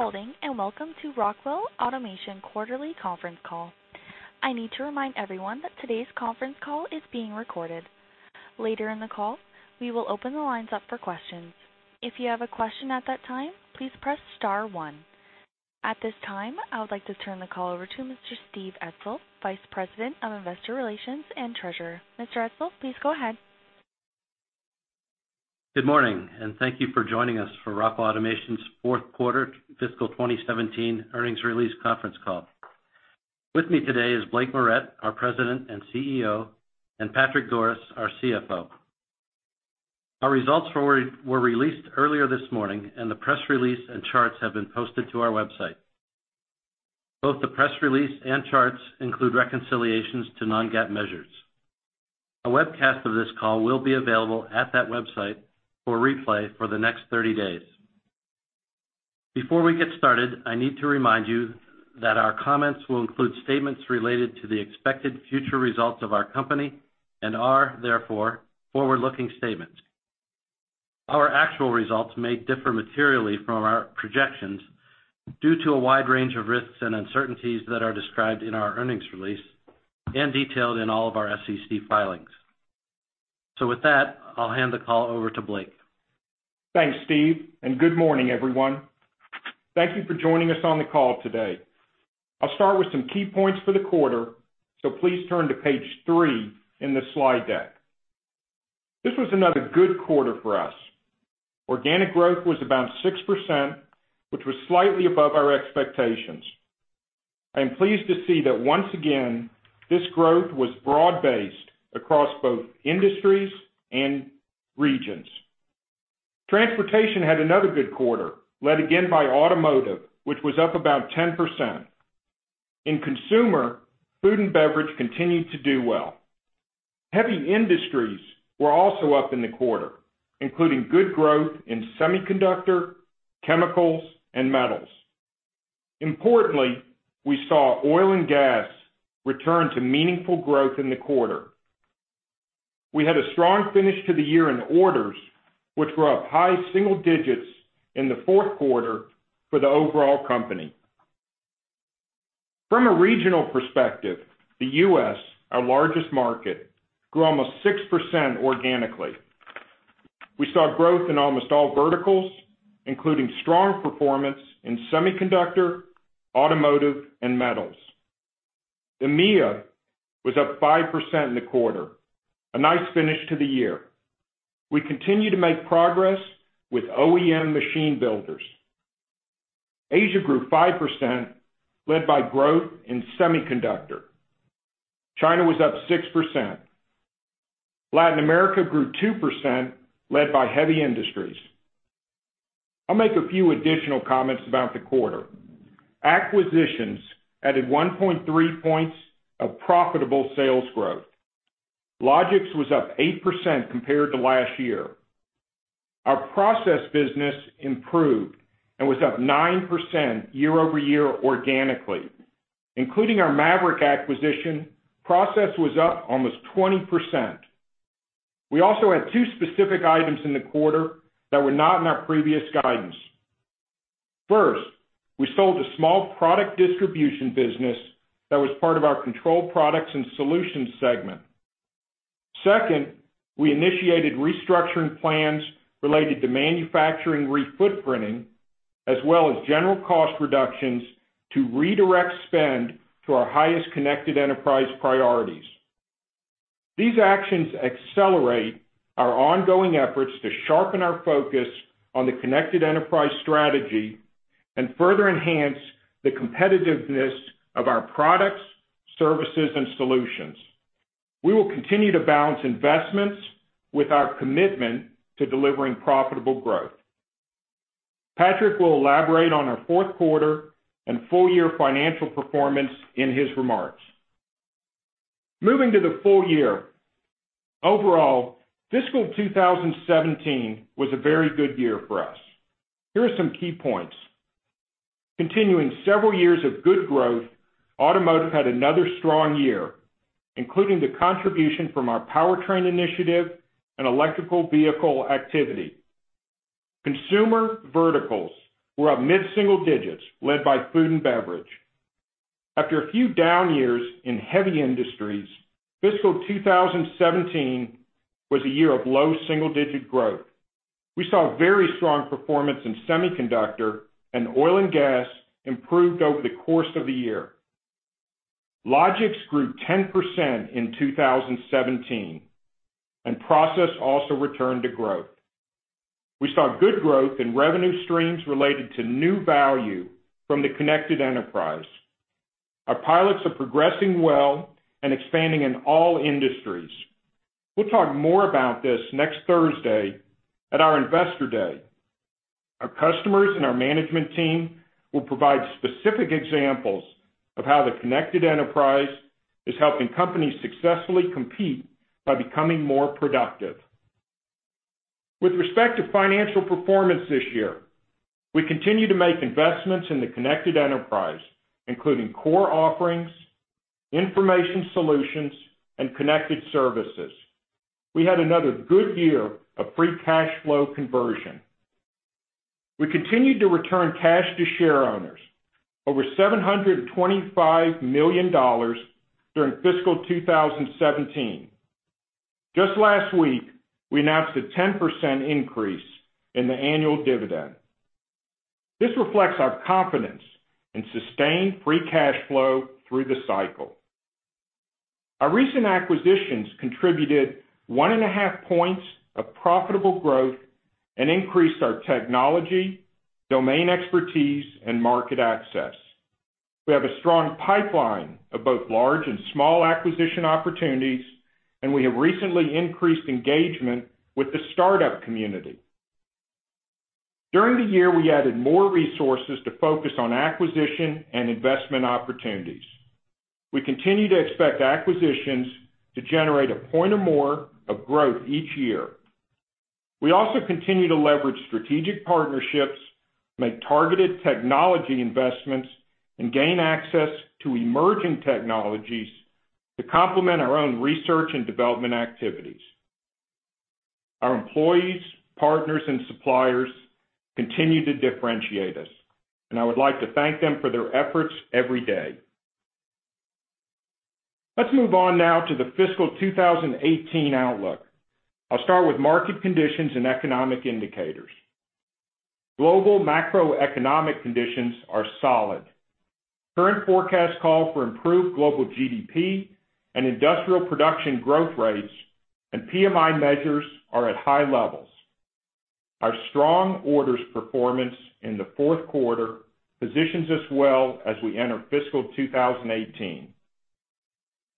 Thank you for holding, and welcome to Rockwell Automation quarterly conference call. I need to remind everyone that today's conference call is being recorded. Later in the call, we will open the lines up for questions. If you have a question at that time, please press star one. At this time, I would like to turn the call over to Mr. Steve Edsall, Vice President of Investor Relations and Treasurer. Mr. Edsall, please go ahead. Good morning, thank you for joining us for Rockwell Automation's fourth quarter fiscal 2017 earnings release conference call. With me today is Blake Moret, our President and CEO, and Patrick Goris, our CFO. Our results were released earlier this morning, the press release and charts have been posted to our website. Both the press release and charts include reconciliations to non-GAAP measures. A webcast of this call will be available at that website for replay for the next 30 days. Before we get started, I need to remind you that our comments will include statements related to the expected future results of our company and are therefore forward-looking statements. Our actual results may differ materially from our projections due to a wide range of risks and uncertainties that are described in our earnings release and detailed in all of our SEC filings. With that, I'll hand the call over to Blake. Thanks, Steve, good morning, everyone. Thank you for joining us on the call today. I'll start with some key points for the quarter, please turn to page three in the slide deck. This was another good quarter for us. Organic growth was about 6%, which was slightly above our expectations. I am pleased to see that once again, this growth was broad-based across both industries and regions. Transportation had another good quarter, led again by automotive, which was up about 10%. In consumer, food and beverage continued to do well. Heavy industries were also up in the quarter, including good growth in semiconductor, chemicals, and metals. Importantly, we saw oil and gas return to meaningful growth in the quarter. We had a strong finish to the year in orders, which were up high single digits in the fourth quarter for the overall company. From a regional perspective, the U.S., our largest market, grew almost 6% organically. We saw growth in almost all verticals, including strong performance in semiconductor, automotive, and metals. EMEA was up 5% in the quarter, a nice finish to the year. We continue to make progress with OEM machine builders. Asia grew 5%, led by growth in semiconductor. China was up 6%. Latin America grew 2%, led by heavy industries. I'll make a few additional comments about the quarter. Acquisitions added 1.3 points of profitable sales growth. Logix was up 8% compared to last year. Our process business improved and was up 9% year-over-year organically. Including our Maverick acquisition, process was up almost 20%. We also had two specific items in the quarter that were not in our previous guidance. First, we sold a small product distribution business that was part of our Control Products & Solutions segment. Second, we initiated restructuring plans related to manufacturing re-footprinting, as well as general cost reductions to redirect spend to our highest Connected Enterprise priorities. These actions accelerate our ongoing efforts to sharpen our focus on the Connected Enterprise strategy and further enhance the competitiveness of our products, services, and solutions. We will continue to balance investments with our commitment to delivering profitable growth. Patrick will elaborate on our fourth quarter and full-year financial performance in his remarks. Moving to the full year. Overall, fiscal 2017 was a very good year for us. Here are some key points. Continuing several years of good growth, automotive had another strong year, including the contribution from our powertrain initiative and electrical vehicle activity. Consumer verticals were up mid-single digits, led by food and beverage. After a few down years in heavy industries, fiscal 2017 was a year of low double-digit growth. We saw very strong performance in semiconductor, and oil and gas improved over the course of the year. Logix grew 10% in 2017, and process also returned to growth. We saw good growth in revenue streams related to new value from the Connected Enterprise. Our pilots are progressing well and expanding in all industries. We'll talk more about this next Thursday at our Investor Day. Our customers and our management team will provide specific examples of how the Connected Enterprise is helping companies successfully compete by becoming more productive. With respect to financial performance this year, we continue to make investments in the Connected Enterprise, including core offerings, information solutions, and connected services. We had another good year of free cash flow conversion. We continued to return cash to shareowners, over $725 million during fiscal 2017. Just last week, we announced a 10% increase in the annual dividend. This reflects our confidence in sustained free cash flow through the cycle. Our recent acquisitions contributed one and a half points of profitable growth and increased our technology, domain expertise, and market access. We have a strong pipeline of both large and small acquisition opportunities, and we have recently increased engagement with the startup community. During the year, we added more resources to focus on acquisition and investment opportunities. We continue to expect acquisitions to generate a point or more of growth each year. We also continue to leverage strategic partnerships, make targeted technology investments, and gain access to emerging technologies to complement our own R&D activities. Our employees, partners, and suppliers continue to differentiate us. I would like to thank them for their efforts every day. Let's move on now to the fiscal 2018 outlook. I'll start with market conditions and economic indicators. Global macroeconomic conditions are solid. Current forecasts call for improved global GDP and industrial production growth rates, and PMI measures are at high levels. Our strong orders performance in the fourth quarter positions us well as we enter fiscal 2018.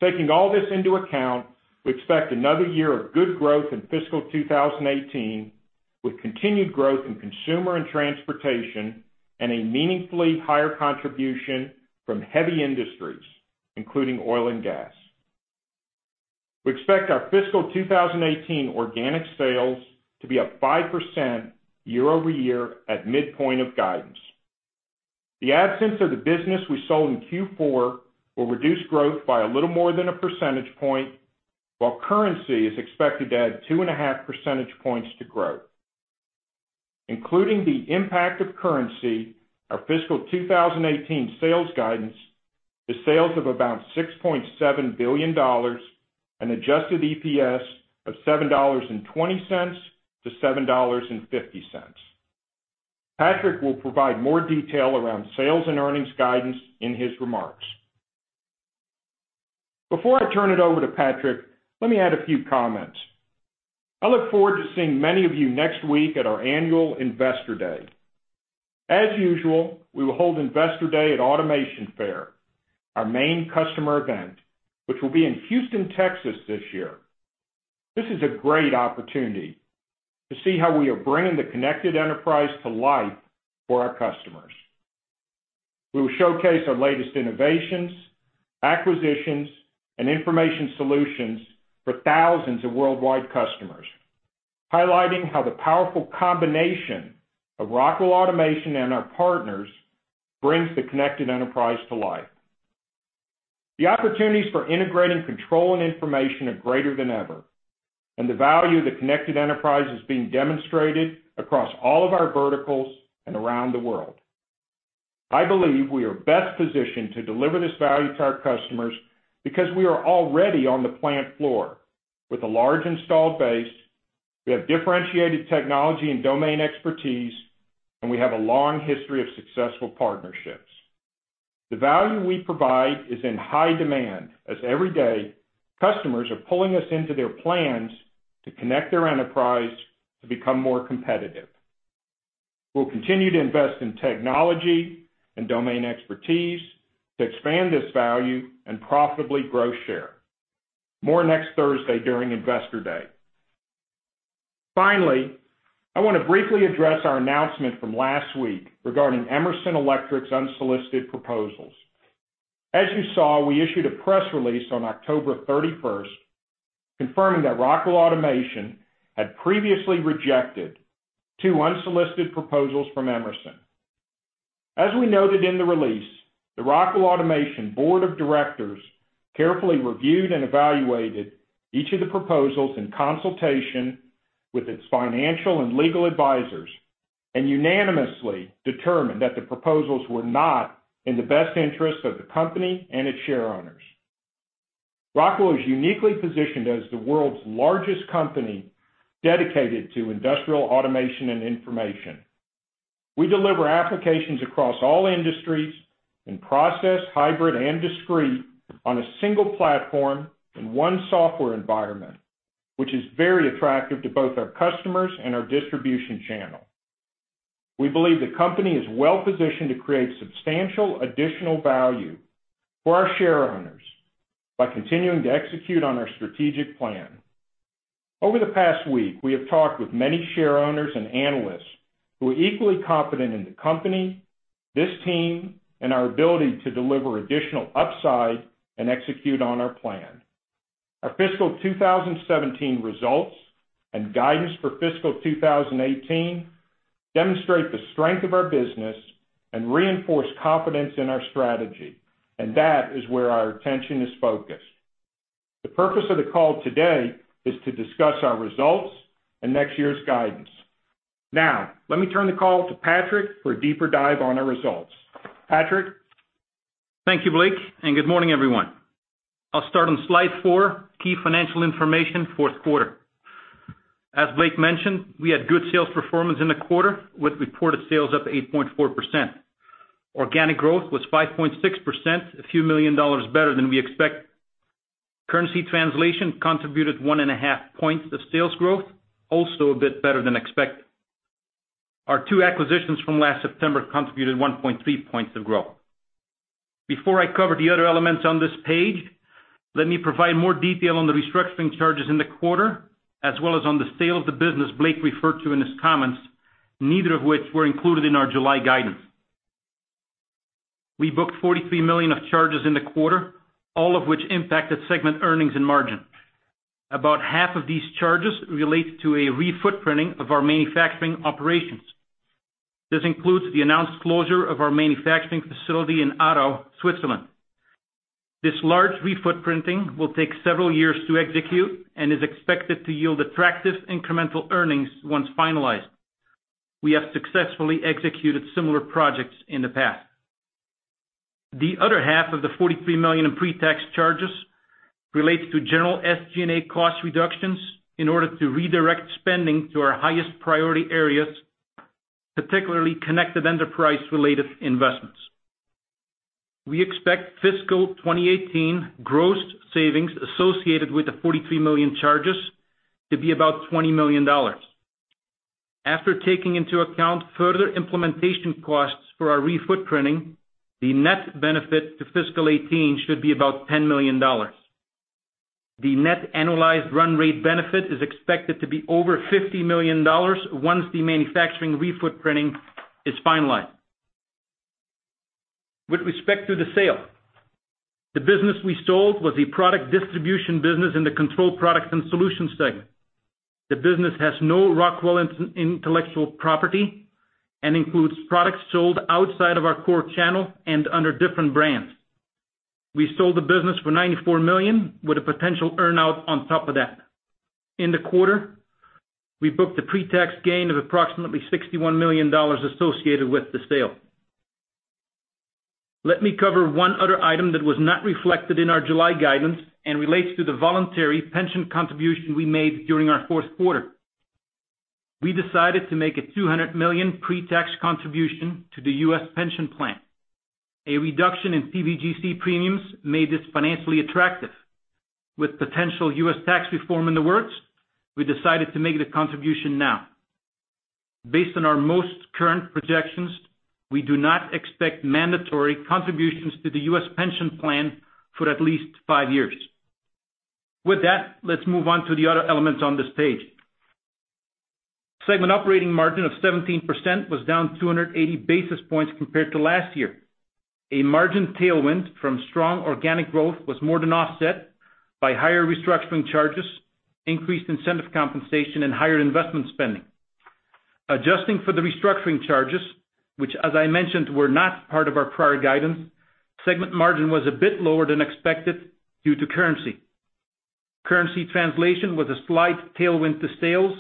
Taking all this into account, we expect another year of good growth in fiscal 2018, with continued growth in consumer and transportation and a meaningfully higher contribution from heavy industries, including oil and gas. We expect our fiscal 2018 organic sales to be up 5% year-over-year at midpoint of guidance. The absence of the business we sold in Q4 will reduce growth by a little more than a percentage point, while currency is expected to add two and a half percentage points to growth. Including the impact of currency, our fiscal 2018 sales guidance is sales of about $6.7 billion and adjusted EPS of $7.20-$7.50. Patrick will provide more detail around sales and earnings guidance in his remarks. Before I turn it over to Patrick, let me add a few comments. I look forward to seeing many of you next week at our annual Investor Day. As usual, we will hold Investor Day at Automation Fair, our main customer event, which will be in Houston, Texas this year. This is a great opportunity to see how we are bringing the Connected Enterprise to life for our customers. We will showcase our latest innovations, acquisitions, and information solutions for thousands of worldwide customers, highlighting how the powerful combination of Rockwell Automation and our partners brings the Connected Enterprise to life. The opportunities for integrating control and information are greater than ever. The value of the Connected Enterprise is being demonstrated across all of our verticals and around the world. I believe we are best positioned to deliver this value to our customers because we are already on the plant floor with a large installed base, we have differentiated technology and domain expertise, and we have a long history of successful partnerships. The value we provide is in high demand as every day, customers are pulling us into their plans to connect their enterprise to become more competitive. We'll continue to invest in technology and domain expertise to expand this value and profitably grow share. More next Thursday during Investor Day. Finally, I want to briefly address our announcement from last week regarding Emerson Electric's unsolicited proposals. As you saw, we issued a press release on October 31st confirming that Rockwell Automation had previously rejected two unsolicited proposals from Emerson. As we noted in the release, the Rockwell Automation Board of Directors carefully reviewed and evaluated each of the proposals in consultation with its financial and legal advisors and unanimously determined that the proposals were not in the best interest of the company and its shareowners. Rockwell is uniquely positioned as the world's largest company dedicated to industrial automation and information. We deliver applications across all industries in process, hybrid, and discrete on a single platform in one software environment, which is very attractive to both our customers and our distribution channel. We believe the company is well positioned to create substantial additional value for our shareowners by continuing to execute on our strategic plan. Over the past week, we have talked with many shareowners and analysts who are equally confident in the company, this team, and our ability to deliver additional upside and execute on our plan. Our fiscal 2017 results and guidance for fiscal 2018 demonstrate the strength of our business and reinforce confidence in our strategy, and that is where our attention is focused. The purpose of the call today is to discuss our results and next year's guidance. Let me turn the call to Patrick for a deeper dive on our results. Patrick? Thank you, Blake, and good morning, everyone. I'll start on slide four, key financial information, fourth quarter. As Blake mentioned, we had good sales performance in the quarter, with reported sales up 8.4%. Organic growth was 5.6%, a few million dollars better than we expected. Currency translation contributed one and a half points to sales growth, also a bit better than expected. Our two acquisitions from last September contributed 1.3 points of growth. Before I cover the other elements on this page, let me provide more detail on the restructuring charges in the quarter, as well as on the sale of the business Blake referred to in his comments, neither of which were included in our July guidance. We booked $43 million of charges in the quarter, all of which impacted segment earnings and margin. About half of these charges relate to a re-footprinting of our manufacturing operations. This includes the announced closure of our manufacturing facility in Aarau, Switzerland. This large re-footprinting will take several years to execute and is expected to yield attractive incremental earnings once finalized. We have successfully executed similar projects in the past. The other half of the $43 million in pre-tax charges relates to general SG&A cost reductions in order to redirect spending to our highest priority areas, particularly Connected Enterprise-related investments. We expect fiscal 2018 gross savings associated with the $43 million charges to be about $20 million. After taking into account further implementation costs for our re-footprinting, the net benefit to fiscal 2018 should be about $10 million. The net analyzed run rate benefit is expected to be over $50 million once the manufacturing re-footprinting is finalized. With respect to the sale, the business we sold was a product distribution business in the Control Products & Solutions segment. The business has no Rockwell intellectual property and includes products sold outside of our core channel and under different brands. We sold the business for $94 million, with a potential earn-out on top of that. In the quarter, we booked a pre-tax gain of approximately $61 million associated with the sale. Let me cover one other item that was not reflected in our July guidance and relates to the voluntary pension contribution we made during our fourth quarter. We decided to make a $200 million pre-tax contribution to the U.S. pension plan. A reduction in PBGC premiums made this financially attractive. With potential U.S. tax reform in the works, we decided to make the contribution now. Based on our most current projections, we do not expect mandatory contributions to the U.S. pension plan for at least five years. With that, let's move on to the other elements on this page. Segment operating margin of 17% was down 280 basis points compared to last year. A margin tailwind from strong organic growth was more than offset by higher restructuring charges, increased incentive compensation, and higher investment spending. Adjusting for the restructuring charges, which as I mentioned, were not part of our prior guidance, segment margin was a bit lower than expected due to currency. Currency translation was a slight tailwind to sales,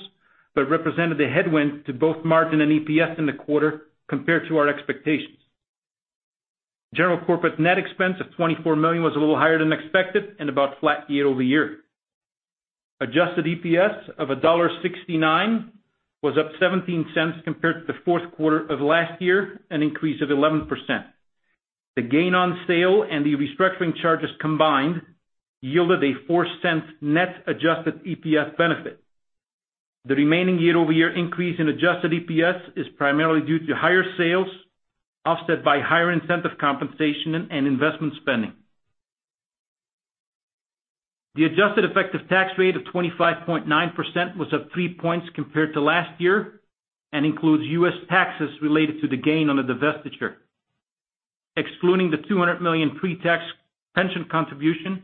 but represented a headwind to both margin and EPS in the quarter compared to our expectations. General corporate net expense of $24 million was a little higher than expected and about flat year-over-year. Adjusted EPS of $1.69 was up $0.17 compared to the fourth quarter of last year, an increase of 11%. The gain on sale and the restructuring charges combined yielded a $0.04 net adjusted EPS benefit. The remaining year-over-year increase in adjusted EPS is primarily due to higher sales, offset by higher incentive compensation and investment spending. The adjusted effective tax rate of 25.9% was up three points compared to last year and includes U.S. taxes related to the gain on the divestiture. Excluding the $200 million pre-tax pension contribution,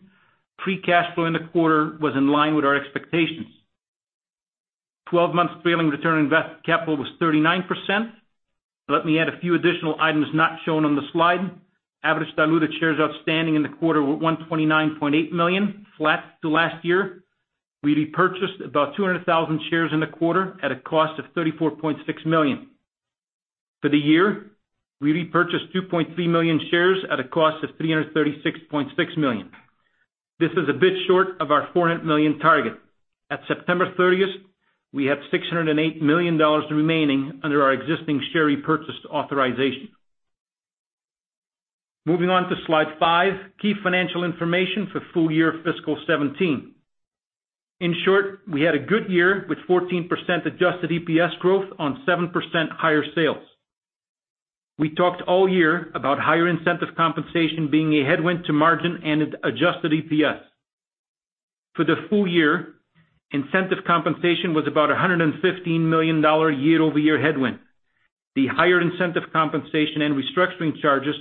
free cash flow in the quarter was in line with our expectations. Twelve months trailing return on invested capital was 39%. Let me add a few additional items not shown on the slide. Average diluted shares outstanding in the quarter were 129.8 million, flat to last year. We repurchased about 200,000 shares in the quarter at a cost of $34.6 million. For the year, we repurchased 2.3 million shares at a cost of $336.6 million. This is a bit short of our $400 million target. At September 30th, we had $608 million remaining under our existing share repurchase authorization. Moving on to slide five, key financial information for full year fiscal 2017. In short, we had a good year with 14% adjusted EPS growth on 7% higher sales. We talked all year about higher incentive compensation being a headwind to margin and adjusted EPS. For the full year, incentive compensation was about a $115 million year-over-year headwind. The higher incentive compensation and restructuring charges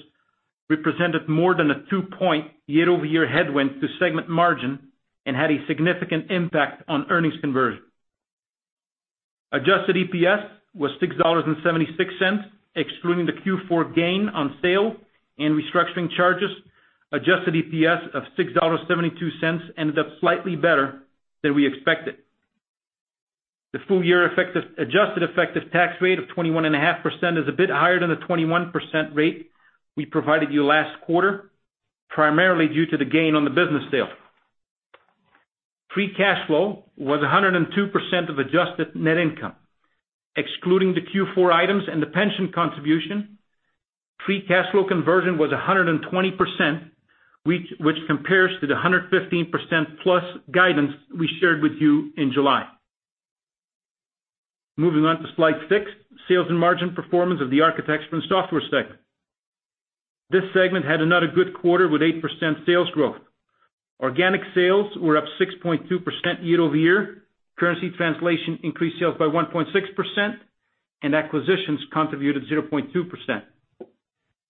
represented more than a two-point year-over-year headwind to segment margin and had a significant impact on earnings conversion. Adjusted EPS was $6.76, excluding the Q4 gain on sale and restructuring charges. Adjusted EPS of $6.72 ended up slightly better than we expected. The full-year adjusted effective tax rate of 21.5% is a bit higher than the 21% rate we provided you last quarter, primarily due to the gain on the business sale. Free cash flow was 102% of adjusted net income. Excluding the Q4 items and the pension contribution, free cash flow conversion was 120%, which compares to the 115%+ guidance we shared with you in July. Moving on to slide six, sales and margin performance of the Architecture & Software segment. This segment had another good quarter with 8% sales growth. Organic sales were up 6.2% year-over-year. Currency translation increased sales by 1.6%, and acquisitions contributed 0.2%.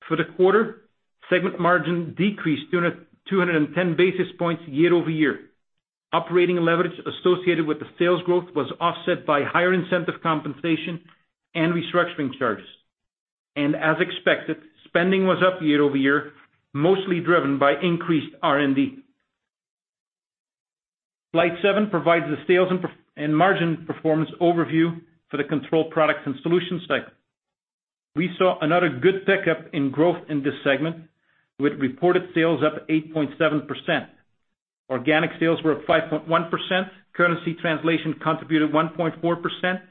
For the quarter, segment margin decreased 210 basis points year-over-year. Operating leverage associated with the sales growth was offset by higher incentive compensation and restructuring charges. As expected, spending was up year-over-year, mostly driven by increased R&D. Slide seven provides the sales and margin performance overview for the Control Products & Solutions segment. We saw another good pickup in growth in this segment, with reported sales up 8.7%. Organic sales were up 5.1%, currency translation contributed 1.4%,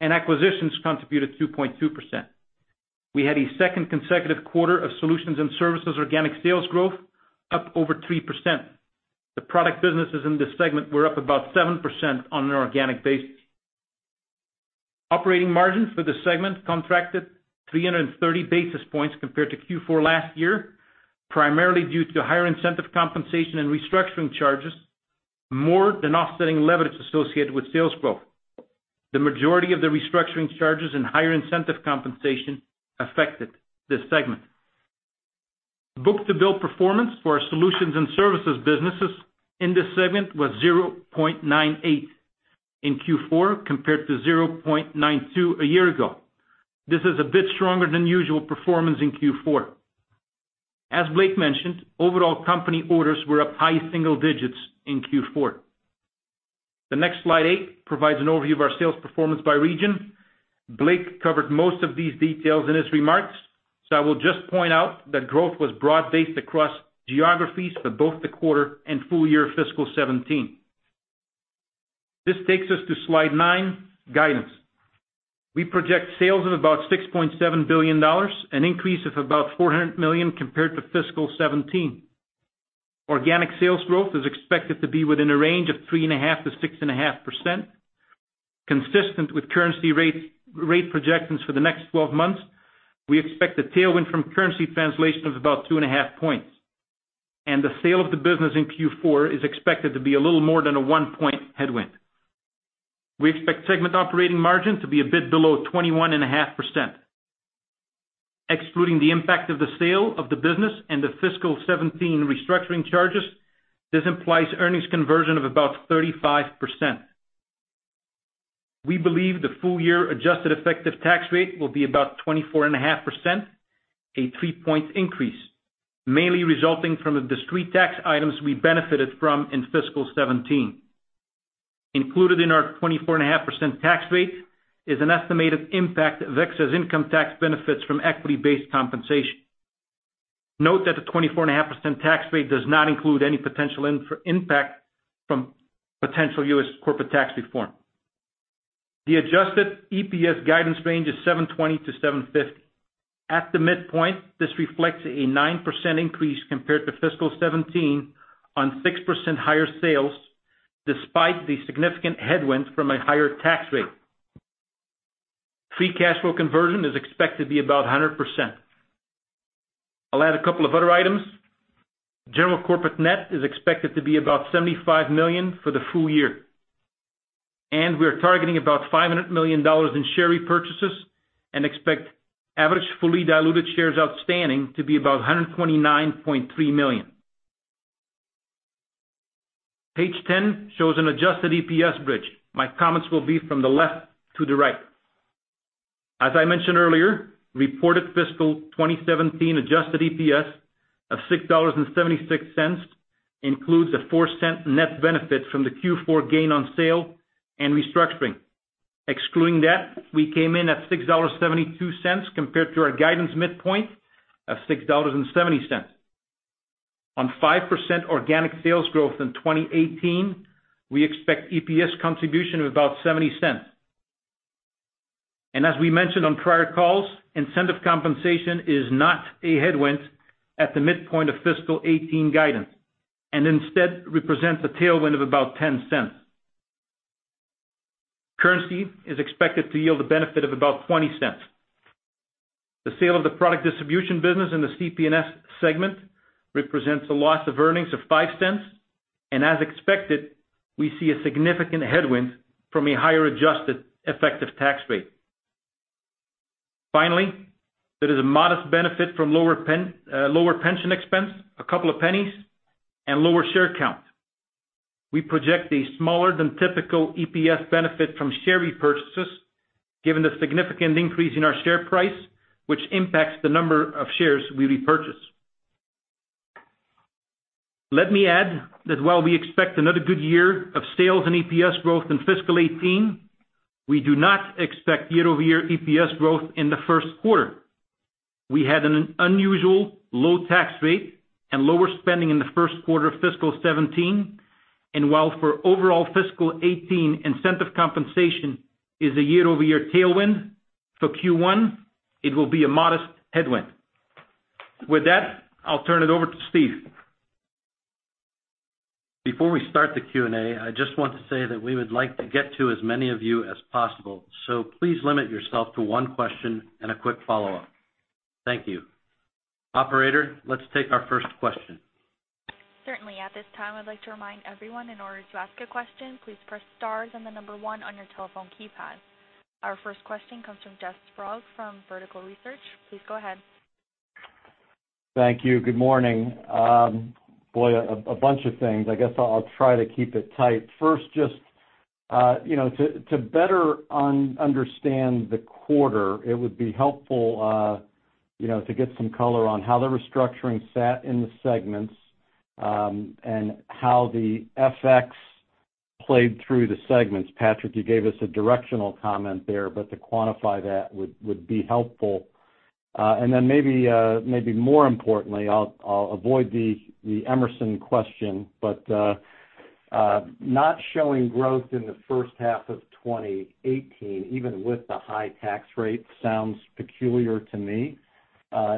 and acquisitions contributed 2.2%. We had a second consecutive quarter of solutions and services organic sales growth up over 3%. The product businesses in this segment were up about 7% on an organic basis. Operating margins for the segment contracted 330 basis points compared to Q4 last year, primarily due to higher incentive compensation and restructuring charges, more than offsetting leverage associated with sales growth. The majority of the restructuring charges and higher incentive compensation affected this segment. Book-to-bill performance for our solutions and services businesses in this segment was 0.98 in Q4 compared to 0.92 a year ago. This is a bit stronger than usual performance in Q4. As Blake mentioned, overall company orders were up high single digits in Q4. The next slide, eight, provides an overview of our sales performance by region. Blake covered most of these details in his remarks, so I will just point out that growth was broad-based across geographies for both the quarter and full year fiscal 2017. This takes us to slide nine, guidance. We project sales of about $6.7 billion, an increase of about $400 million compared to fiscal 2017. Organic sales growth is expected to be within a range of 3.5%-6.5%. Consistent with currency rate projections for the next 12 months, we expect a tailwind from currency translation of about 2.5 points. The sale of the business in Q4 is expected to be a little more than a one-point headwind. We expect segment operating margin to be a bit below 21.5%. Excluding the impact of the sale of the business and the fiscal 2017 restructuring charges, this implies earnings conversion of about 35%. We believe the full-year adjusted effective tax rate will be about 24.5%, a three-point increase, mainly resulting from the discrete tax items we benefited from in fiscal 2017. Included in our 24.5% tax rate is an estimated impact of excess income tax benefits from equity-based compensation. Note that the 24.5% tax rate does not include any potential impact from potential U.S. corporate tax reform. The adjusted EPS guidance range is $7.20-$7.50. At the midpoint, this reflects a 9% increase compared to fiscal 2017 on 6% higher sales, despite the significant headwinds from a higher tax rate. Free cash flow conversion is expected to be about 100%. I'll add a couple of other items. General corporate net is expected to be about $75 million for the full year. We're targeting about $500 million in share repurchases and expect average fully diluted shares outstanding to be about 129.3 million. Page 10 shows an adjusted EPS bridge. My comments will be from the left to the right. As I mentioned earlier, reported fiscal 2017 adjusted EPS of $6.76 includes a $0.04 net benefit from the Q4 gain on sale and restructuring. Excluding that, we came in at $6.72 compared to our guidance midpoint of $6.70. On 5% organic sales growth in 2018, we expect EPS contribution of about $0.70. As we mentioned on prior calls, incentive compensation is not a headwind at the midpoint of fiscal 2018 guidance, and instead represents a tailwind of about $0.10. Currency is expected to yield a benefit of about $0.20. The sale of the product distribution business in the CP&S segment represents a loss of earnings of $0.05. As expected, we see a significant headwind from a higher adjusted effective tax rate. Finally, there is a modest benefit from lower pension expense, $0.02, and lower share count. We project a smaller than typical EPS benefit from share repurchases given the significant increase in our share price, which impacts the number of shares we repurchase. Let me add that while we expect another good year of sales and EPS growth in fiscal 2018, we do not expect year-over-year EPS growth in the first quarter. We had an unusual low tax rate and lower spending in the first quarter of fiscal 2017, and while for overall fiscal 2018 incentive compensation is a year-over-year tailwind, for Q1 it will be a modest headwind. With that, I'll turn it over to Steve. Before we start the Q&A, I just want to say that we would like to get to as many of you as possible, so please limit yourself to one question and a quick follow-up. Thank you. Operator, let's take our first question. Certainly. At this time, I'd like to remind everyone, in order to ask a question, please press star and the number one on your telephone keypad. Our first question comes from Jeff Sprague from Vertical Research. Please go ahead. Thank you. Good morning. Boy, a bunch of things. I guess I'll try to keep it tight. First, just to better understand the quarter, it would be helpful to get some color on how the restructuring sat in the segments, and how the FX played through the segments. Patrick, you gave us a directional comment there, but to quantify that would be helpful. Maybe more importantly, I'll avoid the Emerson question, but not showing growth in the first half of 2018, even with the high tax rate, sounds peculiar to me.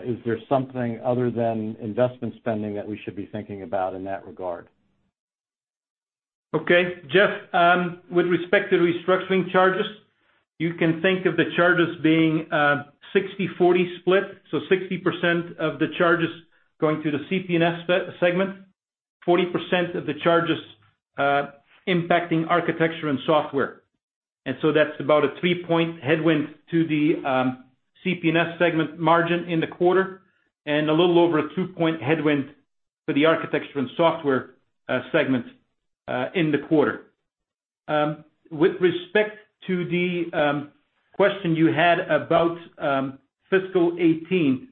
Is there something other than investment spending that we should be thinking about in that regard? Okay. Jeff, with respect to restructuring charges, you can think of the charges being a 60/40 split. 60% of the charges going to the CP&S segment, 40% of the charges impacting Architecture & Software. That's about a 3-point headwind to the CP&S segment margin in the quarter, and a little over a 2-point headwind for the Architecture & Software segment in the quarter. With respect to the question you had about fiscal 2018,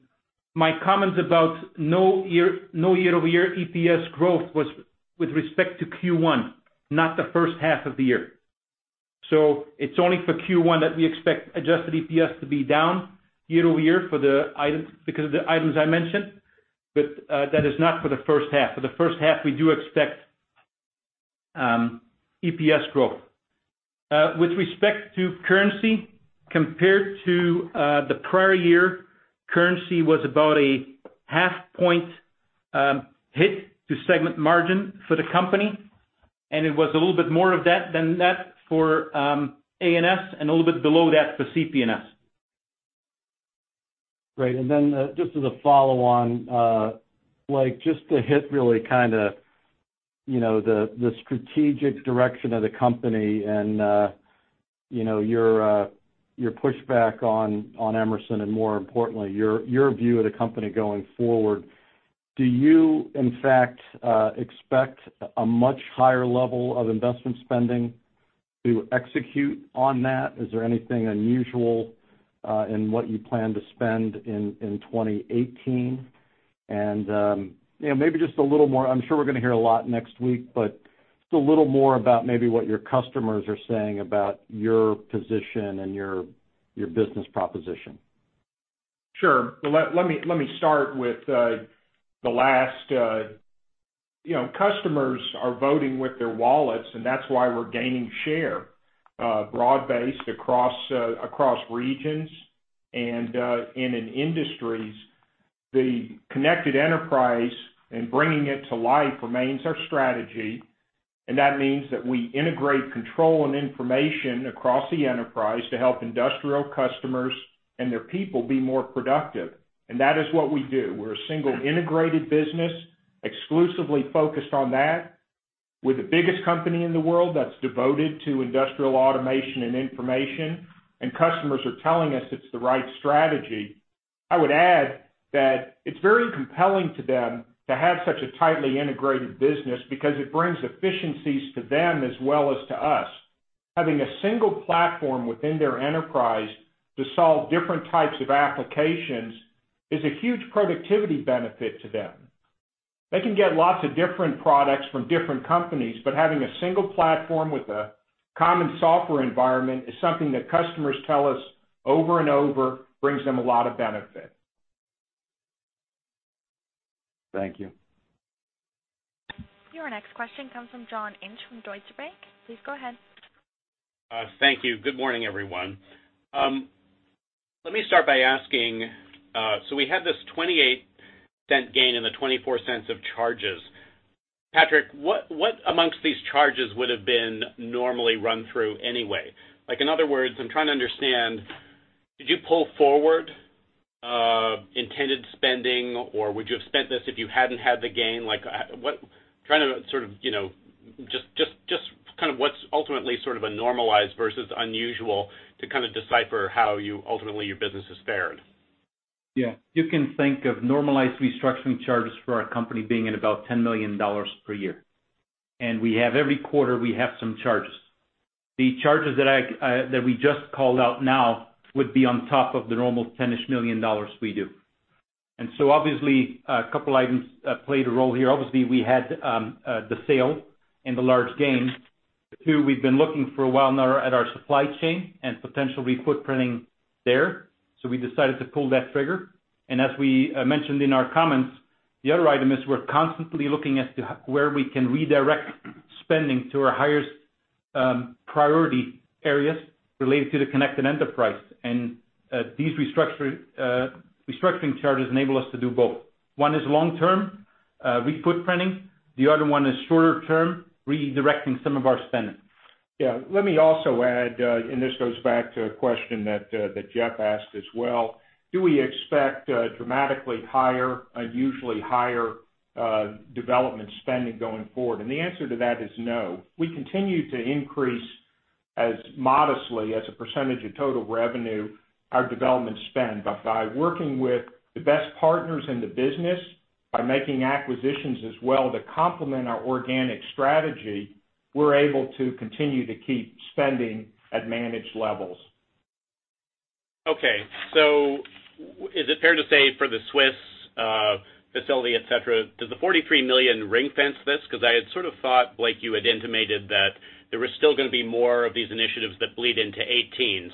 my comments about no year-over-year EPS growth was with respect to Q1, not the first half of the year. It's only for Q1 that we expect adjusted EPS to be down year-over-year because of the items I mentioned. That is not for the first half. For the first half, we do expect EPS growth. With respect to currency, compared to the prior year, currency was about a half-point hit to segment margin for the company, and it was a little bit more than that for A&S and a little bit below that for CP&S. Great. Just as a follow-on, Blake, just to hit really the strategic direction of the company and your pushback on Emerson and more importantly, your view of the company going forward, do you in fact expect a much higher level of investment spending to execute on that? Is there anything unusual in what you plan to spend in 2018? Maybe just a little more, I'm sure we're going to hear a lot next week, but just a little more about maybe what your customers are saying about your position and your business proposition. Sure. Let me start with the last. Customers are voting with their wallets, and that's why we're gaining share, broad-based across regions and in industries. The Connected Enterprise and bringing it to life remains our strategy, and that means that we integrate control and information across the enterprise to help industrial customers and their people be more productive. That is what we do. We're a single integrated business, exclusively focused on that. We're the biggest company in the world that's devoted to industrial automation and information, and customers are telling us it's the right strategy. I would add that it's very compelling to them to have such a tightly integrated business because it brings efficiencies to them as well as to us. Having a single platform within their enterprise to solve different types of applications is a huge productivity benefit to them. They can get lots of different products from different companies, but having a single platform with a common software environment is something that customers tell us over and over brings them a lot of benefit. Thank you. Your next question comes from John Inch from Deutsche Bank. Please go ahead. Thank you. Good morning, everyone. Let me start by asking, we had this $0.28 gain and the $0.24 of charges. Patrick, what amongst these charges would have been normally run through anyway? In other words, I'm trying to understand, did you pull forward intended spending, or would you have spent this if you hadn't had the gain? What's ultimately a normalized versus unusual to decipher how ultimately your business has fared? You can think of normalized restructuring charges for our company being at about $10 million per year. Every quarter, we have some charges. The charges that we just called out now would be on top of the normal $10-ish million we do. Obviously, a couple items played a role here. Obviously, we had the sale and the large gain. Two, we've been looking for a while now at our supply chain and potential re-footprinting there, we decided to pull that trigger. As we mentioned in our comments, the other item is we're constantly looking as to where we can redirect spending to our highest priority areas related to the Connected Enterprise. These restructuring charges enable us to do both. One is long-term, re-footprinting. The other one is shorter term, redirecting some of our spending. Let me also add, this goes back to a question that Jeff asked as well, do we expect dramatically higher, unusually higher development spending going forward? The answer to that is no. We continue to increase as modestly as a percentage of total revenue, our development spend. By working with the best partners in the business, by making acquisitions as well to complement our organic strategy, we're able to continue to keep spending at managed levels. Is it fair to say for the Swiss facility, et cetera, does the $43 million ring-fence this? Because I had sort of thought, Blake, you had intimated that there was still going to be more of these initiatives that bleed into 2018.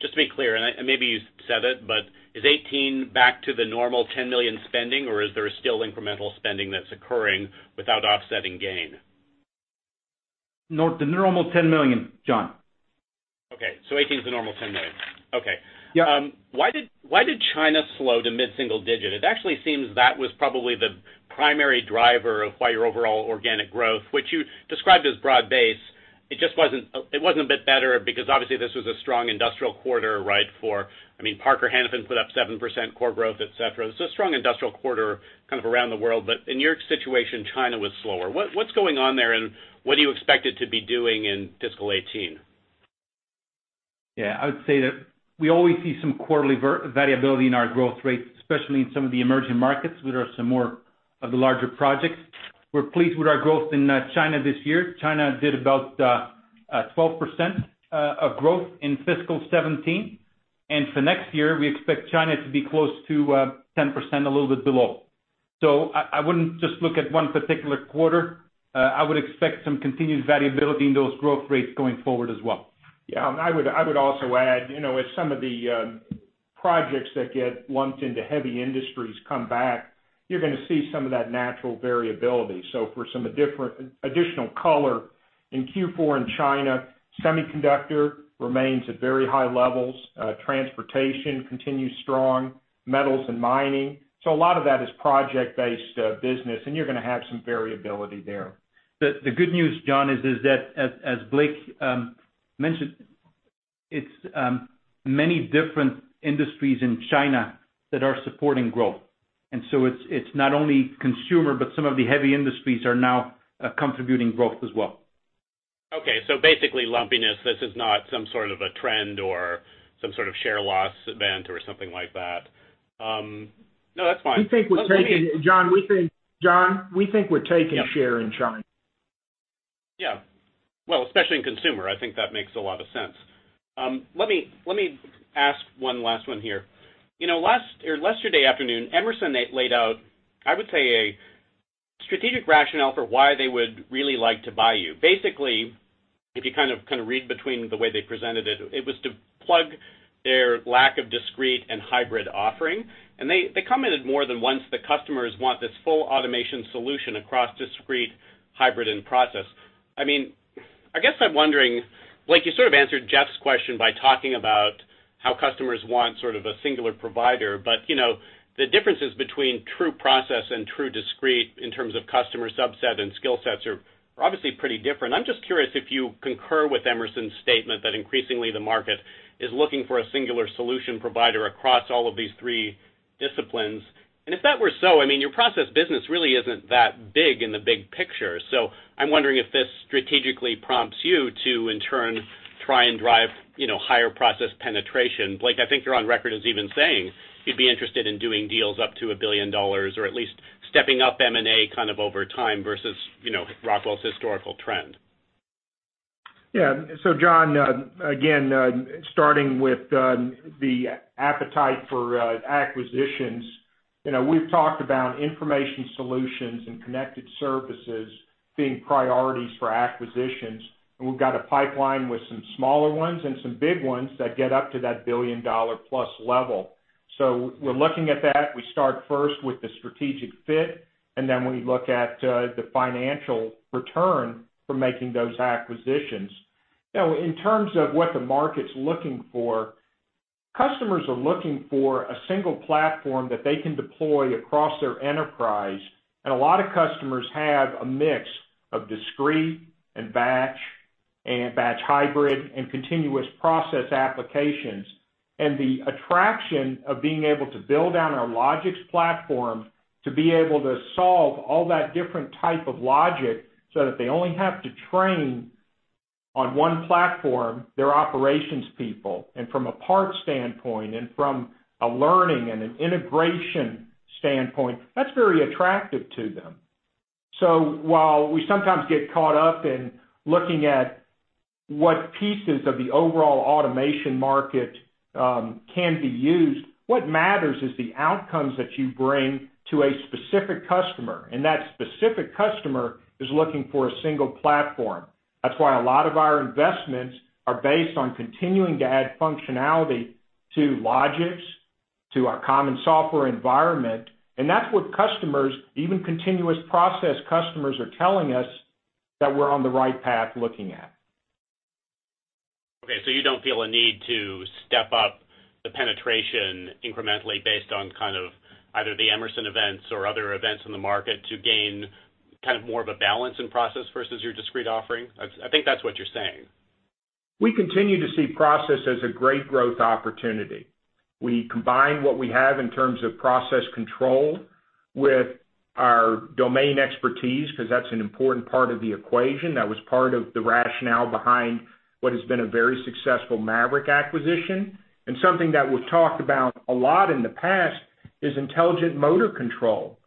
Just to be clear, maybe you said it, is 2018 back to the normal $10 million spending, or is there still incremental spending that's occurring without offsetting gain? The normal $10 million, John. Okay. 2018 is the normal $10 million. Yeah. Why did China slow to mid-single-digit? It actually seems that was probably the primary driver of why your overall organic growth, which you described as broad-based. It wasn't a bit better because obviously this was a strong industrial quarter, right? Parker-Hannifin Corporation put up 7% core growth, et cetera. A strong industrial quarter kind of around the world. In your situation, China was slower. What's going on there, and what do you expect it to be doing in fiscal 2018? Yeah, I would say that we always see some quarterly variability in our growth rates, especially in some of the emerging markets where there are some more of the larger projects. We're pleased with our growth in China this year. China did about 12% of growth in fiscal 2017, and for next year, we expect China to be close to 10%, a little bit below. I wouldn't just look at one particular quarter. I would expect some continued variability in those growth rates going forward as well. Yeah. I would also add, as some of the projects that get lumped into heavy industries come back, you're going to see some of that natural variability. For some additional color, in Q4 in China, semiconductor remains at very high levels. Transportation continues strong, metals and mining. A lot of that is project-based business, and you're going to have some variability there. The good news, John, is that, as Blake mentioned, it's many different industries in China that are supporting growth. It's not only consumer, but some of the heavy industries are now contributing growth as well. Okay. Basically lumpiness. This is not some sort of a trend or some sort of share loss event or something like that. No, that's fine. John, we think we're taking share in China. Well, especially in consumer, I think that makes a lot of sense. Let me ask one last one here. Yesterday afternoon, Emerson laid out, I would say, a strategic rationale for why they would really like to buy you. Basically, if you kind of read between the way they presented it was to plug their lack of discrete and hybrid offering, and they commented more than once the customers want this full automation solution across discrete, hybrid, and process. I guess I'm wondering, Blake, you sort of answered Jeff's question by talking about how customers want sort of a singular provider, but the differences between true process and true discrete in terms of customer subset and skill sets are obviously pretty different. I'm just curious if you concur with Emerson's statement that increasingly the market is looking for a singular solution provider across all of these three disciplines. If that were so, your process business really isn't that big in the big picture. I'm wondering if this strategically prompts you to, in turn, try and drive higher process penetration. Blake, I think you're on record as even saying you'd be interested in doing deals up to $1 billion or at least stepping up M&A kind of over time versus Rockwell's historical trend. John, again, starting with the appetite for acquisitions, we've talked about information solutions and connected services being priorities for acquisitions, and we've got a pipeline with some smaller ones and some big ones that get up to that $1 billion-plus level. We're looking at that. We start first with the strategic fit, and then we look at the financial return from making those acquisitions. In terms of what the market's looking for, customers are looking for a single platform that they can deploy across their enterprise, and a lot of customers have a mix of discrete and batch hybrid and continuous process applications. The attraction of being able to build on our Logix platform to be able to solve all that different type of logic so that they only have to train on one platform, their operations people, and from a part standpoint and from a learning and an integration standpoint, that's very attractive to them. While we sometimes get caught up in looking at what pieces of the overall automation market can be used, what matters is the outcomes that you bring to a specific customer, and that specific customer is looking for a single platform. That's why a lot of our investments are based on continuing to add functionality to Logix, to our common software environment, and that's what customers, even continuous process customers, are telling us that we're on the right path looking at. Okay, you don't feel a need to step up the penetration incrementally based on kind of either the Emerson events or other events in the market to gain kind of more of a balance in Process versus your Discrete offering? I think that's what you're saying. We continue to see Process as a great growth opportunity. We combine what we have in terms of process control with our domain expertise, because that's an important part of the equation. That was part of the rationale behind what has been a very successful Maverick acquisition. Something that we've talked about a lot in the past is intelligent motor control.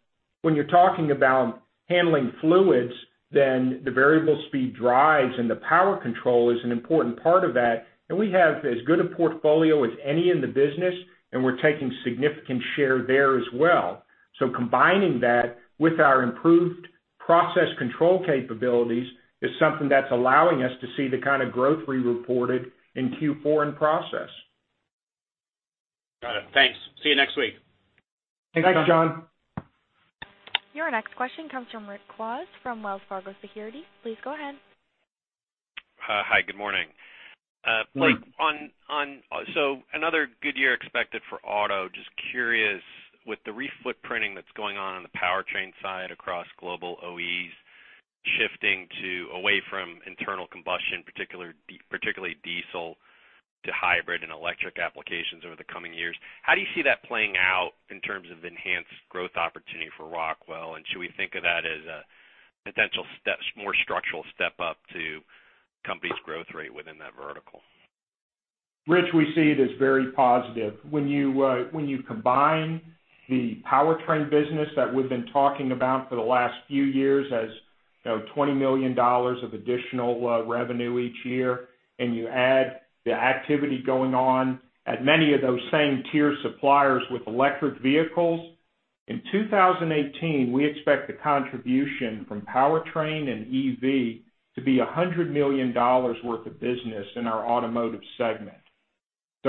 When you're talking about handling fluids, the variable speed drives and the power control is an important part of that, and we have as good a portfolio as any in the business, and we're taking significant share there as well. Combining that with our improved process control capabilities is something that's allowing us to see the kind of growth we reported in Q4 in Process. Got it. Thanks. See you next week. Thanks, John. Your next question comes from Rich Kwas from Wells Fargo Securities. Please go ahead. Hi, good morning. Good morning. Another good year expected for auto. Just curious, with the retooling that's going on in the powertrain side across global OEs shifting away from internal combustion, particularly diesel to hybrid and electric applications over the coming years, how do you see that playing out in terms of enhanced growth opportunity for Rockwell? And should we think of that as a potential more structural step up to company's growth rate within that vertical? Rich Kwas, we see it as very positive. When you combine the powertrain business that we've been talking about for the last few years as $20 million of additional revenue each year, you add the activity going on at many of those same tier suppliers with electric vehicles. In 2018, we expect the contribution from powertrain and EV to be $100 million worth of business in our automotive segment.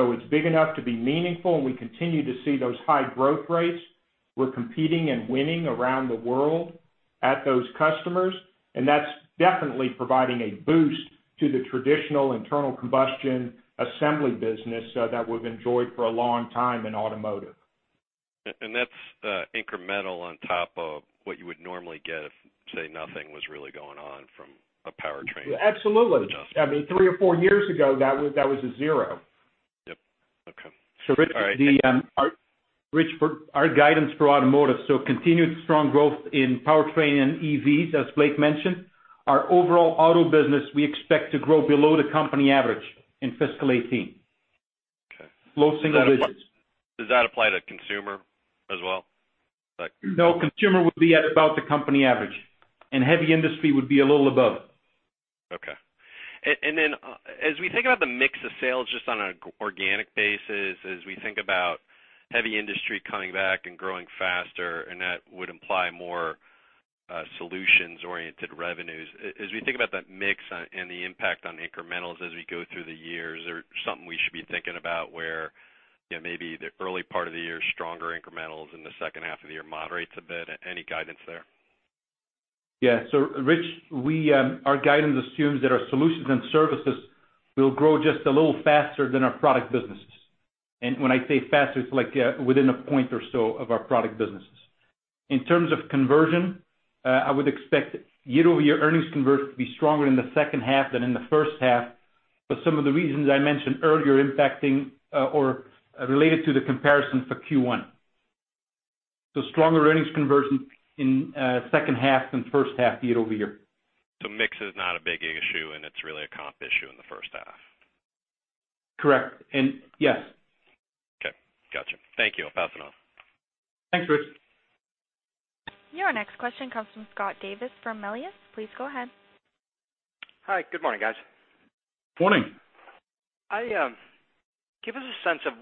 It's big enough to be meaningful, we continue to see those high growth rates. We're competing and winning around the world at those customers, that's definitely providing a boost to the traditional internal combustion assembly business that we've enjoyed for a long time in automotive. That's incremental on top of what you would normally get if, say, nothing was really going on from a powertrain perspective. Absolutely. I mean, three or four years ago, that was a zero. Yep. Okay. All right. Rich. Rich, our guidance for automotive, so continued strong growth in powertrain and EVs, as Blake mentioned. Our overall auto business, we expect to grow below the company average in fiscal 2018. Okay. Slow single digits. Does that apply to consumer as well? No, consumer would be at about the company average, and heavy industry would be a little above it. Okay. As we think about the mix of sales just on an organic basis, as we think about heavy industry coming back and growing faster, that would imply more solutions-oriented revenues. As we think about that mix and the impact on incrementals as we go through the years, is there something we should be thinking about where maybe the early part of the year is stronger incrementals and the second half of the year moderates a bit? Any guidance there? Yeah. Rich, our guidance assumes that our solutions and services will grow just a little faster than our product businesses. When I say faster, it's like within a point or so of our product businesses. In terms of conversion, I would expect year-over-year earnings conversion to be stronger in the second half than in the first half, but some of the reasons I mentioned earlier impacting or related to the comparison for Q1. Stronger earnings conversion in second half than first half year-over-year. Mix is not a big issue, and it's really a comp issue in the first half. Correct. Yes. Okay. Got you. Thank you. I'll pass it on. Thanks, Rich. Your next question comes from Scott Davis from Melius. Please go ahead. Hi, good morning, guys. Morning. Give us a sense of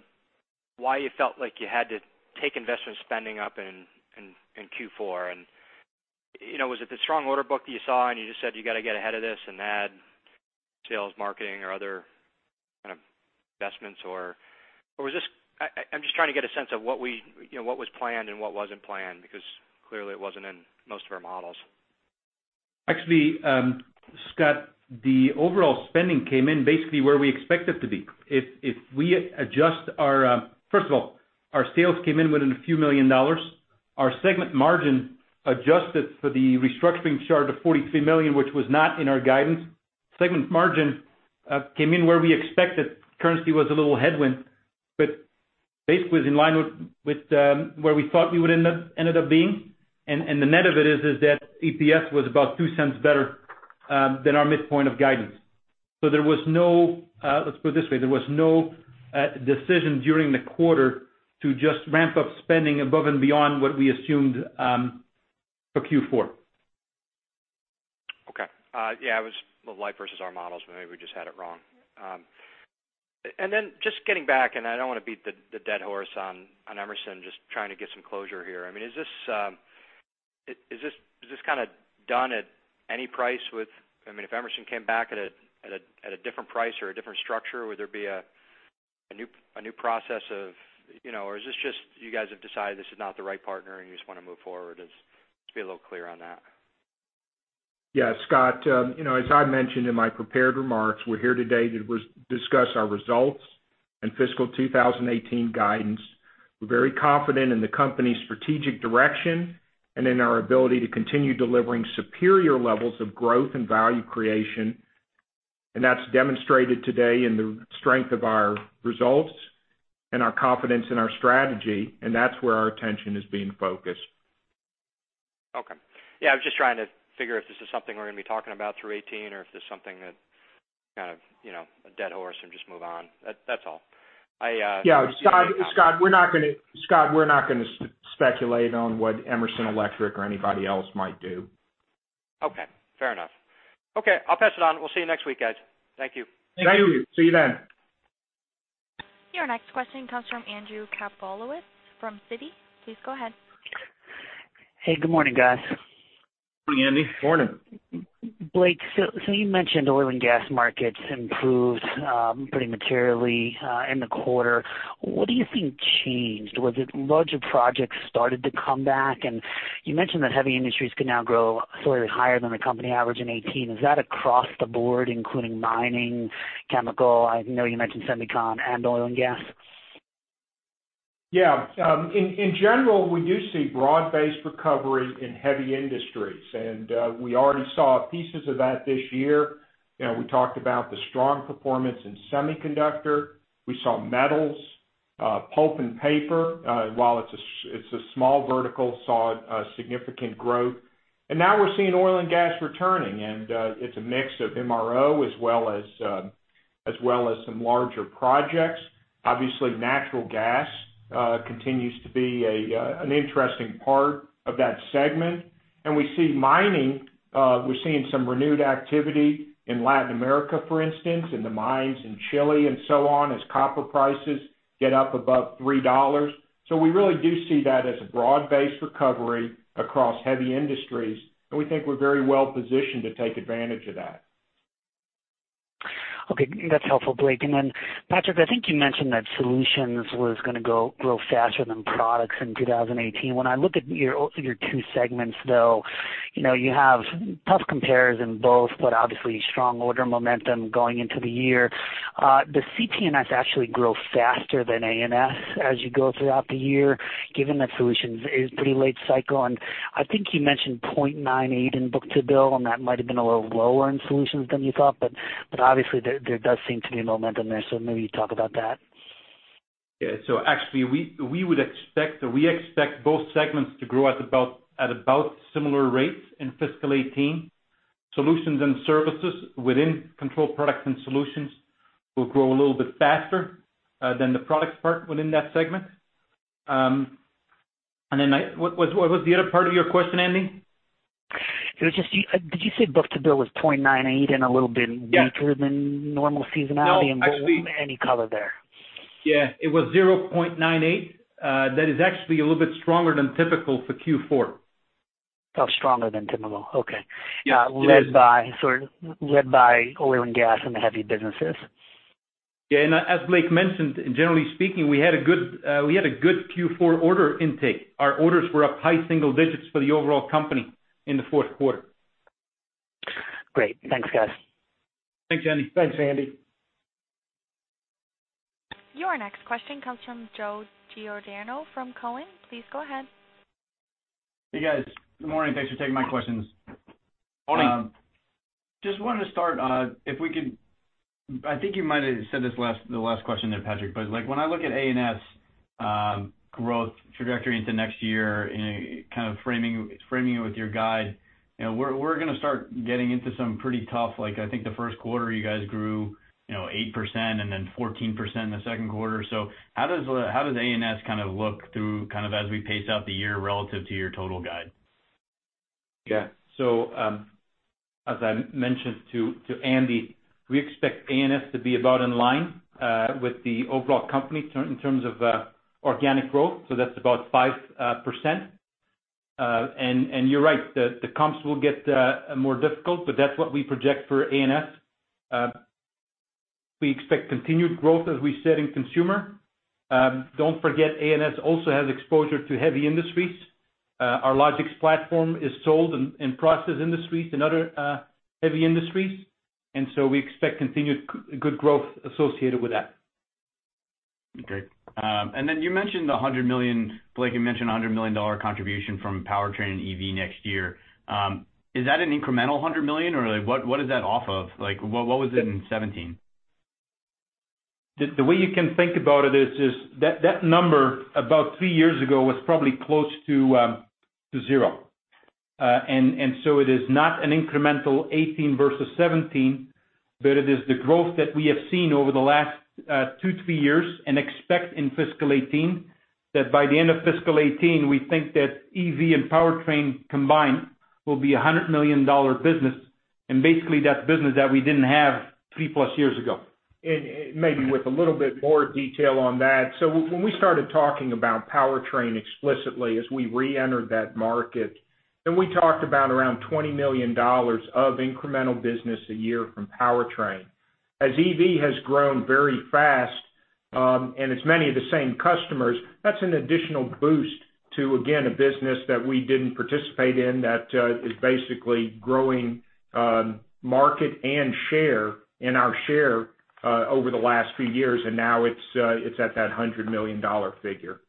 why you felt like you had to take investment spending up in Q4. Was it the strong order book that you saw, you just said you got to get ahead of this and add sales, marketing, or other kind of investments? I'm just trying to get a sense of what was planned and what wasn't planned, because clearly it wasn't in most of our models. Actually, Scott, the overall spending came in basically where we expect it to be. First of all, our sales came in within a few million dollars. Our segment margin adjusted for the restructuring charge of $43 million, which was not in our guidance. Segment margin came in where we expected. Currency was a little headwind, basically it was in line with where we thought we would end up being. The net of it is that EPS was about $0.02 better than our midpoint of guidance. Let's put it this way, there was no decision during the quarter to just ramp up spending above and beyond what we assumed for Q4. Okay. Yeah, it was life versus our models, maybe we just had it wrong. Just getting back, I don't want to beat the dead horse on Emerson, just trying to get some closure here. Is this kind of done at any price? If Emerson came back at a different price or a different structure, would there be a new process? Is this just you guys have decided this is not the right partner, and you just want to move forward? Just be a little clear on that. Yeah, Scott. As I mentioned in my prepared remarks, we're here today to discuss our results in fiscal 2018 guidance. We're very confident in the company's strategic direction and in our ability to continue delivering superior levels of growth and value creation. That's demonstrated today in the strength of our results and our confidence in our strategy, and that's where our attention is being focused. Okay. Yeah, I was just trying to figure if this is something we're going to be talking about through 2018, or if this is something that kind of a dead horse and just move on. That's all. Yeah. Scott, we're not going to speculate on what Emerson Electric or anybody else might do. Okay, fair enough. Okay, I'll pass it on. We'll see you next week, guys. Thank you. Thank you. Thank you. See you then. Your next question comes from Andrew Kaplowitz from Citi. Please go ahead. Hey, good morning, guys. Morning, Andy. Morning. Blake, you mentioned oil and gas markets improved pretty materially in the quarter. What do you think changed? Was it larger projects started to come back? You mentioned that heavy industries could now grow slightly higher than the company average in 2018. Is that across the board, including mining, chemical? I know you mentioned semicon and oil and gas. In general, we do see broad-based recovery in heavy industries, we already saw pieces of that this year. We talked about the strong performance in semiconductor. We saw metals, pulp and paper, while it's a small vertical, saw significant growth. Now we're seeing oil and gas returning, and it's a mix of MRO as well as some larger projects. Obviously, natural gas continues to be an interesting part of that segment. We see mining, we're seeing some renewed activity in Latin America, for instance, in the mines in Chile and so on, as copper prices get up above $3. We really do see that as a broad-based recovery across heavy industries, and we think we're very well-positioned to take advantage of that. Okay, that's helpful, Blake. Then Patrick, I think you mentioned that solutions was going to grow faster than products in 2018. When I look at your two segments, though, you have tough compares in both, but obviously strong order momentum going into the year. Does CP&S actually grow faster than A&S as you go throughout the year, given that solutions is pretty late cycle? I think you mentioned 0.98 in book-to-bill, and that might have been a little lower in solutions than you thought. Obviously there does seem to be momentum there, so maybe talk about that. Actually, we expect both segments to grow at about similar rates in fiscal 2018. Solutions and services within Control Products & Solutions will grow a little bit faster than the products part within that segment. Then what was the other part of your question, Andy? It was just, did you say book-to-bill was 0.98 and a little bit weaker than normal seasonality? No, actually. Any color there? Yeah. It was 0.98. That is actually a little bit stronger than typical for Q4. Oh, stronger than typical. Okay. Yeah. It is. Led by oil and gas and the heavy businesses. Yeah, as Blake mentioned, generally speaking, we had a good Q4 order intake. Our orders were up high single digits for the overall company in the fourth quarter. Great. Thanks, guys. Thanks, Andy. Thanks, Andy. Your next question comes from Joe Giordano from Cowen. Please go ahead. Hey, guys. Good morning. Thanks for taking my questions. Morning. Just wanted to start, if we could. I think you might have said this the last question there, Patrick, but when I look at A&S growth trajectory into next year and kind of framing it with your guide, we're going to start getting into some pretty tough I think the first quarter you guys grew 8% and then 14% in the second quarter. How does A&S kind of look through kind of as we pace out the year relative to your total guide? Yeah. As I mentioned to Andy, we expect A&S to be about in line with the overall company in terms of organic growth. That's about 5%. You're right, the comps will get more difficult, but that's what we project for A&S. We expect continued growth as we said in consumer. Don't forget A&S also has exposure to heavy industries. Our Logix platform is sold in process industries and other heavy industries, we expect continued good growth associated with that. Okay. You mentioned the $100 million contribution from powertrain and EV next year. Is that an incremental $100 million, or what is that off of? What was it in 2017? The way you can think about it is, that number about three years ago was probably close to zero. It is not an incremental 2018 versus 2017, but it is the growth that we have seen over the last two, three years and expect in fiscal 2018, that by the end of fiscal 2018, we think that EV and powertrain combined will be a $100 million business, and basically that's business that we didn't have three-plus years ago. Maybe with a little bit more detail on that. When we started talking about powertrain explicitly as we re-entered that market, we talked about around $20 million of incremental business a year from powertrain. As EV has grown very fast, and it's many of the same customers, that's an additional boost to, again, a business that we didn't participate in that is basically growing, market and share, in our share over the last few years, and now it's at that $100 million figure.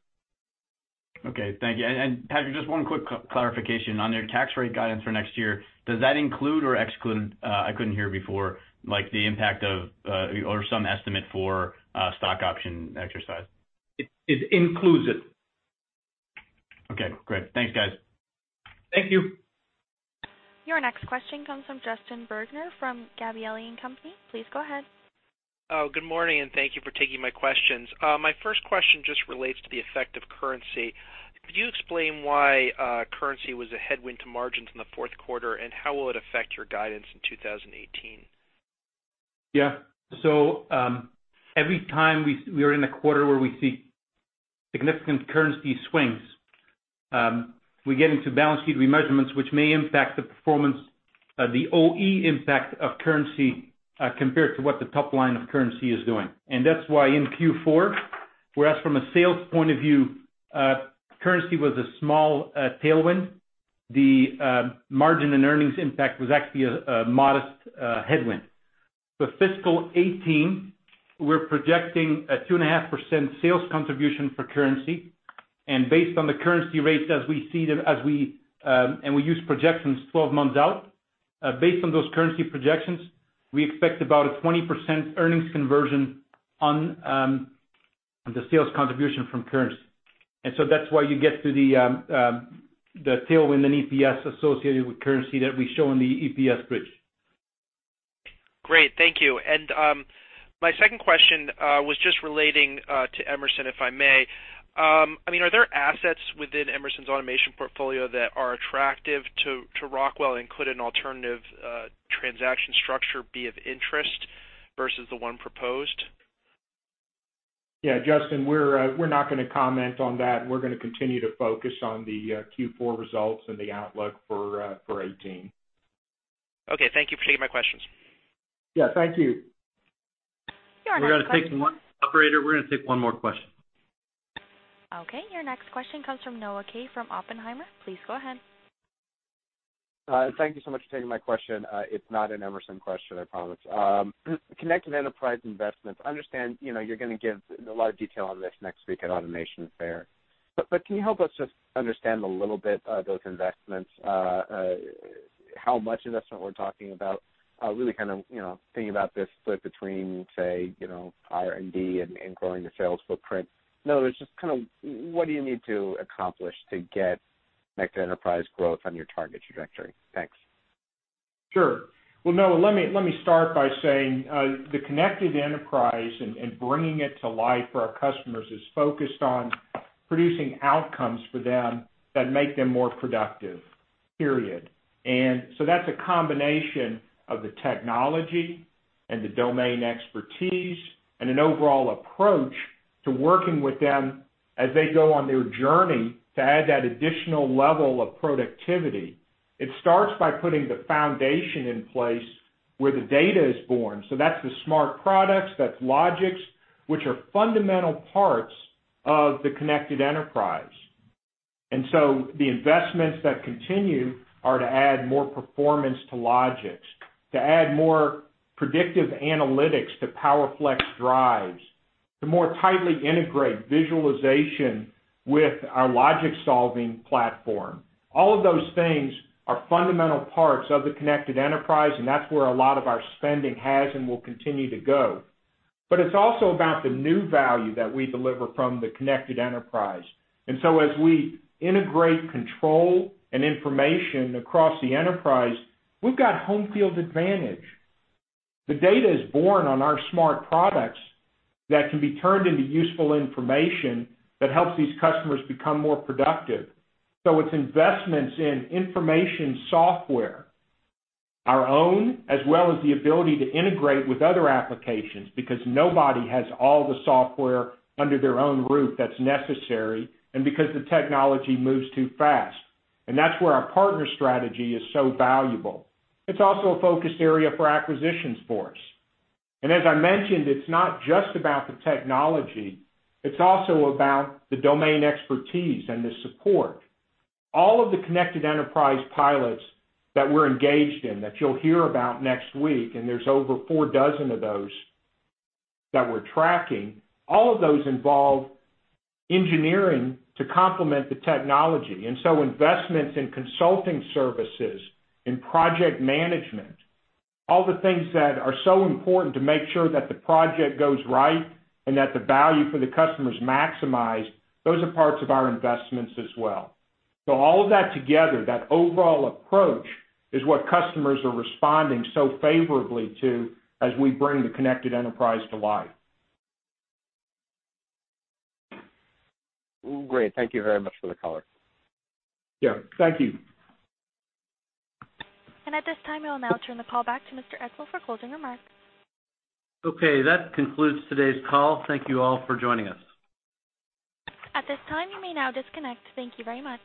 Okay. Thank you. Patrick, just one quick clarification on your tax rate guidance for next year. Does that include or exclude, I couldn't hear before, the impact of or some estimate for stock option exercise? It includes it. Okay, great. Thanks, guys. Thank you. Your next question comes from Justin Bergner from Gabelli & Company. Please go ahead. Oh, good morning, and thank you for taking my questions. My first question just relates to the effect of currency. Could you explain why currency was a headwind to margins in the fourth quarter, and how will it affect your guidance in 2018? Yeah. Every time we are in a quarter where we see significant currency swings, we get into balance sheet remeasurements which may impact the performance of the OE impact of currency compared to what the top line of currency is doing. That's why in Q4, whereas from a sales point of view, currency was a small tailwind, the margin and earnings impact was actually a modest headwind. For fiscal 2018, we're projecting a 2.5% sales contribution for currency. Based on the currency rates as we see them, and we use projections 12 months out, based on those currency projections, we expect about a 20% earnings conversion on the sales contribution from currency. That's why you get to the tailwind and EPS associated with currency that we show in the EPS bridge. Great. Thank you. My second question was just relating to Emerson, if I may. Are there assets within Emerson's automation portfolio that are attractive to Rockwell and could an alternative transaction structure be of interest versus the one proposed? Yeah, Justin, we're not going to comment on that. We're going to continue to focus on the Q4 results and the outlook for 2018. Okay, thank you for taking my questions. Yeah, thank you. Your next question. Operator, we're going to take one more question. Okay, your next question comes from Noah Kaye from Oppenheimer. Please go ahead. Thank you so much for taking my question. It's not an Emerson question, I promise. Connected Enterprise investments. I understand you're going to give a lot of detail on this next week at Automation Fair. Can you help us just understand a little bit of those investments, how much investment we're talking about, really kind of thinking about this split between, say, R&D and growing the sales footprint. In other words, just kind of what do you need to accomplish to get Connected Enterprise growth on your target trajectory? Thanks. Sure. Well, Noah, let me start by saying the Connected Enterprise and bringing it to life for our customers is focused on producing outcomes for them that make them more productive, period. That's a combination of the technology and the domain expertise and an overall approach to working with them as they go on their journey to add that additional level of productivity. It starts by putting the foundation in place where the data is born. That's the smart products, that's Logix, which are fundamental parts of the Connected Enterprise. The investments that continue are to add more performance to Logix, to add more predictive analytics to PowerFlex drives, to more tightly integrate visualization with our Logix solving platform. All of those things are fundamental parts of the Connected Enterprise, and that's where a lot of our spending has and will continue to go. It's also about the new value that we deliver from the Connected Enterprise. As we integrate control and information across the enterprise, we've got home field advantage. The data is born on our smart products that can be turned into useful information that helps these customers become more productive. It's investments in information software, our own, as well as the ability to integrate with other applications because nobody has all the software under their own roof that's necessary, and because the technology moves too fast. That's where our partner strategy is so valuable. It's also a focused area for acquisitions for us. As I mentioned, it's not just about the technology, it's also about the domain expertise and the support. All of the Connected Enterprise pilots that we're engaged in, that you'll hear about next week, there's over 4 dozen of those that we're tracking, all of those involve engineering to complement the technology. Investments in consulting services, in project management, all the things that are so important to make sure that the project goes right and that the value for the customer is maximized, those are parts of our investments as well. All of that together, that overall approach, is what customers are responding so favorably to as we bring the Connected Enterprise to life. Great. Thank you very much for the color. Yeah. Thank you. At this time, we'll now turn the call back to Mr. Edsall for closing remarks. That concludes today's call. Thank you all for joining us. At this time, you may now disconnect. Thank you very much.